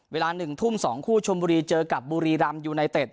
เวลา๑ทุ่ม๒คู่ชมบุรีเจอกับบุรีรำยูไนเต็ด